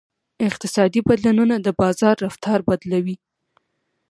اقتصادي بدلونونه د بازار رفتار بدلوي.